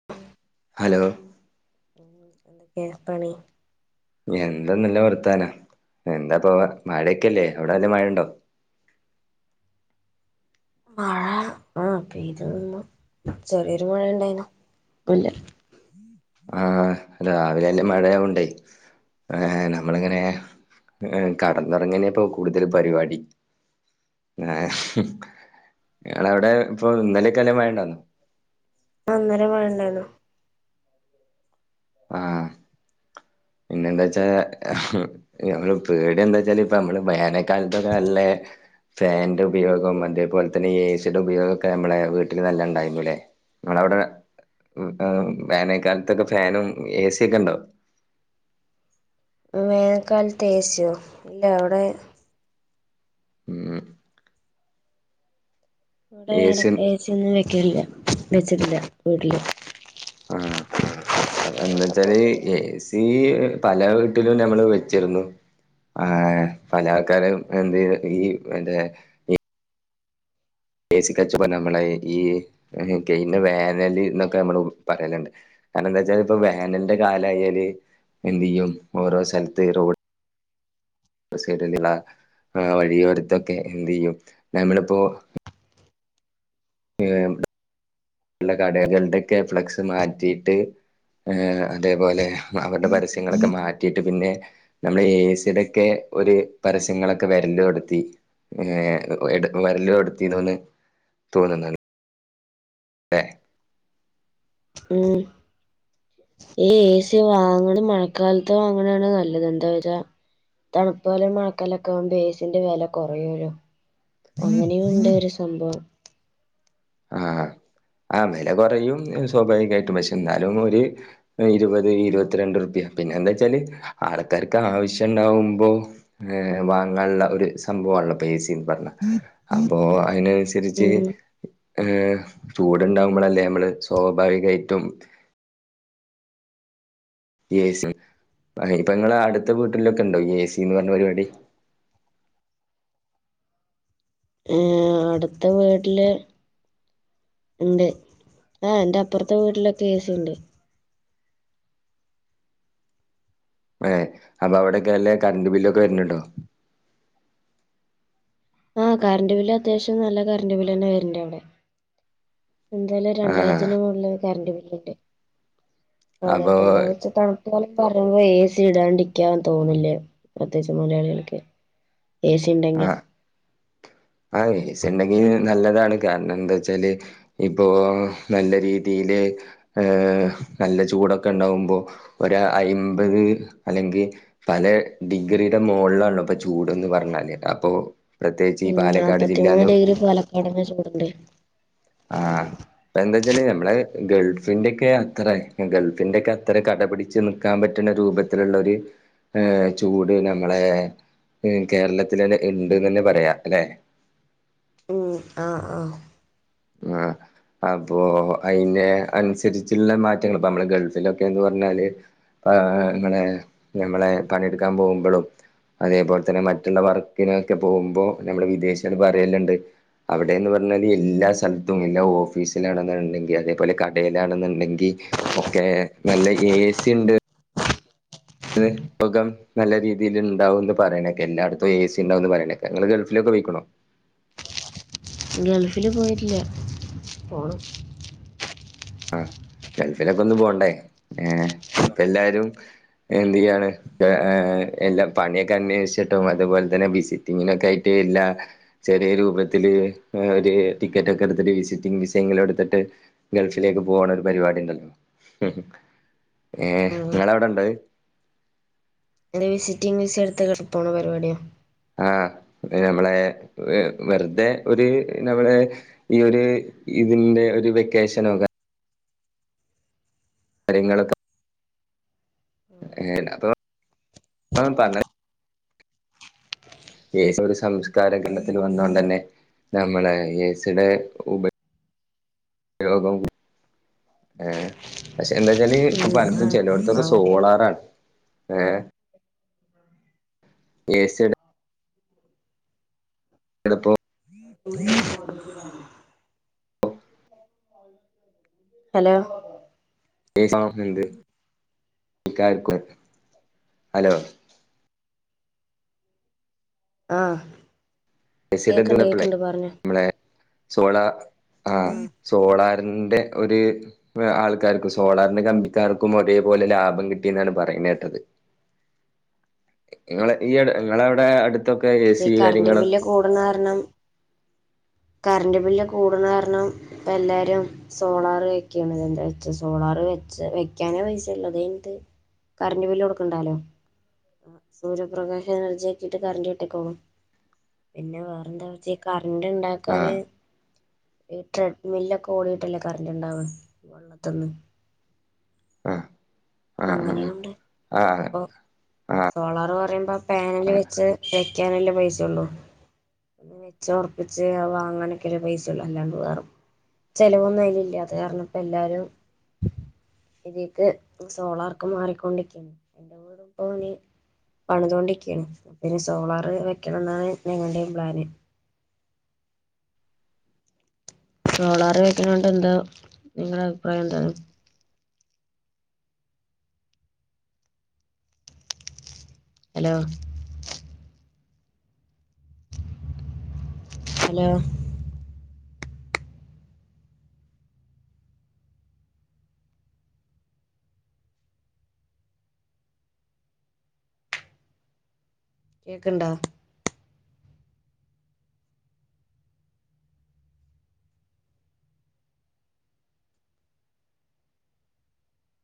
[inaudible] Hello ഉം എന്തൊക്കെ പണി എന്താ നല്ല വർത്താനം എന്താ പോ മഴയൊക്കെല്ലേ അവിടെ മഴ ഉണ്ടോ മഴ ആഹ് പെയ്തു നിന്ന് ചെറിയൊരു മഴ ഇണ്ടായിന്നു ഇപ്പോ ഇല്ല ആഹ് രാവിലെ ന്നെ മഴയാവോണ്ടേ ഏഹ് നമ്മളിങ്ങനെ ഏഹ് കടന്നുറങ്ങനപ്പോ കൂടുതൽ പരിപാടി ആഹ് ഞങ്ങളവിടെ ഇപ്പൊ ഇന്നലെക്കെ നല്ല മഴയുണ്ടാന്നോ അന്നെലെ മഴണ്ടായിരുന്നു. ആഹ് പിന്നെന്താ വെച്ചാ ആഹ് ഞങ്ങള് പേടി എന്താ വെച്ചാല് ഇപ്പ നമ്മള് വേനക്കാലത്തൊക്കെ നല്ലേ ഫാന്റെ ഉപയോഗം അതേപോലെ തന്നെ എ സിയുടെ ഉപയോഗം ഒക്കെ നമ്മളെ വീട്ടില് നല്ല ഉണ്ടായന്ന്ല്ലേ നമ്മളവിടെ വേനക്കാലത്തൊക്കെ ഫാനും എ ഏ സി ഒക്കെ ഉണ്ടോ? വേനൽക്കാലത്ത് എ സി ഇല്ല അവിടെ ഉം ഇവിടെ വേന ഏസ്യൻ ഏ സി ഒന്നും വെക്കില്ല വെച്ചിട്ടില്ല വീട്ടില് ഉം എന്താ വച്ചാല് എഏ സി പല വീട്ടിലും ഞമ്മള് വെച്ചിരുന്നു ആഹ് പല ആൾക്കാരും എന്ത് ഈ മറ്റേ ഏ സി കച്ചവടം നമ്മളെ ഈ കഴിഞ്ഞ വേനല് എന്നൊക്കെ നമ്മള് പറയലുണ്ട് കാരണം എന്താ വച്ചാൽ ഇപ്പോ വേനലിന്റെ കാലം ആയാല് എന്ത് ചെയ്യും ഓരോ സ്ഥലത്ത് റോ ഡ്‌ സൈഡിലുള്ള വഴിയോരത്തൊക്കെ എന്ത് ചെയ്യും നമ്മളിപ്പോ [unintelligible] ഉള്ള കടകളുടെക്കെ ഫ്ലക്സ് മാറ്റിയിട്ട് ഏ അതേപോലെ അവരുടെ പരസ്യങ്ങളൊക്കെ മാറ്റിയിട്ട് പിന്നെ നമ്മള് ഏ സിടെക്കെ ഒരു പരസ്യങ്ങളൊക്കെ വരല് [unintelligible] ഏ വരല് എടുത്തിതോന്ന് തോന്നുന്നാണ് ഏ ഉം ഈ ഏ സി വാങ്ങണ മഴക്കാലത്ത് വാങ്ങണാണ് നല്ലത് എന്താ പറയുക തണുപ്പ് കാലവും മഴക്കാലവുമൊക്കൊ ആകുമ്പോ ഏ സിന്റെ വില കുറയൂല്ലോ അങ്ങനെയും ഉണ്ട് ഒരു സംഭവം ആ വില കുറയും സ്വാഭാവികമായിട്ടും പക്ഷെ എന്നാലും ഒരു ഇരുപത് ഇരുപത്തിരണ്ട് റുപ്യ പിന്നെ എന്താന്ന് വച്ചാല് ആൾക്കാർക്ക് ആവശ്യം ഉണ്ടാവുമ്പോ ഏ വാങ്ങാനുള്ള ഒരു സംഭവമാണല്ലോ പേ ഏ സീന്ന് പറഞ്ഞാൽ അപ്പോ അതിനനുസരിച്ച് ഉം ഏ ചൂടുണ്ടാവുമ്പോളല്ലേ നമ്മള് സ്വാഭാവികമായിട്ടും എ സി ഇപ്പൊ നിങ്ങളെ അടുത്ത വീട്ടിലൊക്കെ ഉണ്ടോ ഏ സീന്ന് പറഞ്ഞ പരിപാടി. ഏ അടുത്ത വീട്ടില് ഉണ്ട് ആ എന്റെ അപ്പുറത്തെ വീട്ടിലൊക്കെ എ സി ഉണ്ട് ആ അപ്പൊ അവിടെക്കെ നല്ല കറണ്ട് ബില്ലൊക്കെ വരുന്നുണ്ടോ? ആഹ് കരണ്ട് ബില്ല് അത്യാവശ്യം നല്ല കരണ്ട് ബില്ല് തന്നെ വരണുണ്ട് അവിടെ എന്തായാലും ആഹ് രണ്ടായിരത്തിന്റെ മോളിലൊക്കെ കറണ്ട് ബില്ലൊണ്ട് അപ്പൊ അവരായിട്ട് കൊണ്ട് വച്ചപ്പോ [unintelligible] എ സി ഇടാണ്ടിക്കാൻ തോന്നില്ല പ്രത്യേകിച്ച് മലയാളികൾക്ക് ഏസി ഇണ്ടെങ്കിൽ ആഹ് ആഹ് എ സി. ഇണ്ടെങ്കിൽ നല്ലതാണ് കാരണം എന്താച്ചാല് ഇപ്പോ നല്ല രീതിയില് ഏഹ് നല്ല ചൂടൊക്കെ ഉണ്ടാവുമ്പോ ഒര് അയ്മ്പത് അല്ലെങ്കി പലേ ഡിഗ്രിയുടെ മോളിലാണല്ലൊ ഇപ്പൊ ചൂടെന്ന് പറഞ്ഞാല് അപ്പൊ പ്രത്യേകിച്ച് ഈ പാലക്കാട് നാല്പത്തിമൂന്ന് ജില്ലാന്ന് ഡിഗ്രി പാലക്കാടിന്റെ ചൂടുണ്ട് ആഹ് ഇപ്പ എന്താ വെച്ചാല് നമ്മളെ ഗൾഫിന്റെ ഒക്കെ അത്ര ഗൾഫിന്റെ ഒക്കെ അത്ര കെട പിടിച്ച് നി ക്കാൻ പറ്റണ രൂപത്തിലുള്ളൊരു ചൂട് നമ്മളെ ഉം കേരളത്തില് തന്നെ ഇണ്ട് എന്ന് തന്നെ പറയാം അല്ലേ ഉം ആഹ് ആഹ് ആഹ് അപ്പൊ അതിന്റെ അനുസരിച്ചുള്ള മാറ്റങ്ങള് ഇപ്പൊ നമ്മള് ഗൾഫിലൊക്കെന്ന് പറഞ്ഞാല് ആഹ് ഞമ്മളെ ഞമ്മളെ പണി എടുക്കാൻ പോകുമ്പളും അതേപോലെ തന്നെ മറ്റുള്ള വർക്കിനൊക്കെ പോകുമ്പോ നമ്മള് വിദേശികള് പറയലുണ്ട് അവിടേന്ന് പറഞ്ഞാല് എല്ലാ സ്ഥലത്തും എല്ലാ ഓഫീസിലാണെന്നുണ്ടെങ്കി അതേപോലെ കടേലാണെന്നുണ്ടെങ്കി ഒക്കെ നല്ല ഏ സി ഉണ്ട് ഇത് സുഖം നല്ല രീതിയിൽ ഉണ്ടാവും എന്ന് പറയണ കേക്കാം എല്ലായിടത്തും എ സി ഇണ്ടാവൂന്ന് പറയണ കേക്കാം നിങ്ങള് ഗൾഫിലൊക്കെ പോയിക്കണോ ഗൾഫില് പോയിട്ടില്ല പോണം ആഹ് ഗൾഫിലൊക്കെ ഒന്ന് പോകണ്ടേ പിന്നെ ഇപ്പോ എല്ലാരും എന്ത് ചെയ്യാണ് എല്ലാ പണിയൊക്കെ അന്വേഷിച്ചിട്ടും അതുപോലെ തന്നെ ബിസിറ്റിങ്ങിനൊക്കെ ആയിട്ട് എല്ലാ ചെറിയ രൂപത്തില് ഒരു ടിക്കറ്റൊക്കെ എടുത്തിട്ട് വിസിറ്റിംഗ് വിസയെങ്കിലും എടുത്തിട്ട് ഗൾഫിലേക്ക് പോകാനൊരു പരിപാടി ഇണ്ടല്ലോ ഏ ഉം ഇങ്ങളെ അവിടെ ഒണ്ടൊ എന്റെ വിസിറ്റിംഗ് വിസ എടുത്ത് കെട പോണ പരിപാട്യെയോ ആഹ് നമ്മളെ വെറുതെ ഒരു നവളെ ഈ ഒരു ഇതിന്റെ ഒരു വെക്കേഷൻ ഒക്ക [unintelligible] [unintelligible] യേസൊര് സംസ്കാരഘണത്തിൽ വന്നോണ്ടെന്നെ നമ്മള് [unintelligible] രോഗവു ഏഹ് പക്ഷെ എന്താച്ചാല് ഇപ്പൊ ഉം പഠനത്തും ആഹ് ചെലേട ഇതൊക്കെ അങ്ങനെ സോളാറാണ് ഏഹ് എസി എടുപ്പം [inaudible] ഉ [unintelligible] [inaudible] ഹലോ [unintelligible] ഹലോ ആഹ് ഐസിഡ കേക്കണ്ട് [unintelligible] എപ്പളെ കേക്കണ്ട് പറഞ്ഞോ നമ്മളെ സോള ആഹ് ഉം. സോളാറിന്റെ ഒര് ആൾക്കാർക്കും സോളാറിന്റെ കമ്പിക്കാർക്കും ഒരേപോലെ ലാഭം കിട്ടിയെന്നാണ് പറയുന്നത് കേട്ടത് ഇങ്ങളെ ഈഎട ഇങ്ങളെ ഔടെ അടുത്തൊക്കെ ഏ സി കാര്യങ്ങളും- കൂടനാര്ണം കറന്റ് ബില്ല് കൂട്ണ കാര്ണം ഇപ്പ എല്ലാരും സോളാർ വെക്കണെന്താ [unintelligible] വ സോളാർ വെച്ചാ വെക്കാനേ പൈസ ഉള്ളതേണ്ട് കറന്റ് ബില് കൊട്ക്ക്ണ്ടേലോ സൂര്യപ്രകാശം എനർജിയ ആക്കിട്ട് കറണ്ട് കിട്ടേക്കോളും പിന്നെ വേറെന്താ വെച്ച് കറിൻ്റെണ്ടാക്കാന് ആഹ് ഈ ട്രെഡ് മില്ലൊക്കെ ഓടീട്ടല്ലേ കറന്റ് ണ്ടാവ വള്ളത്തിന്ന് ആഹ് ആഹ് ആഹ് ആഹ് അങ്ങനെയുണ്ട് ആഹ് അപ്പൊ സോളാർ പറയുമ്പോ ആഹ് പാനല് വെച്ച് വെക്കാന്ല്ല പൈസൊള്ളൂ ന്നിച്ച് ഒറപ്പിച്ച് അത് വാങ്ങാനൊക്കെള്ള പൈസള്ളൂ അല്ലാണ്ട് വേറൊ ചെലവൊന്നും അയിനില്ലദേ അറഞ്ഞപ്പോല്ലാരും പെരീക്ക് സോളാർക്ക് മാറിക്കൊണ്ടിരിക്ക എല്ലാരുപ്പൊ ഇനി പണിതോണ്ടിരിക്കയാണ് പിന്നെ സോളാർ വെക്കണം ന്നാണ് ഞങ്ങളുടെയും പ്ലാന് സോളാർ വെക്ക്ണേ കൊണ്ട് എന്താ നിങ്ങളെ അഭിപ്രായം എന്താണ് ഹലോ ഹലോ കേക്ക്ണ്ടാ